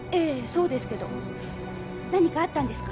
そうですけど何かあったんですか？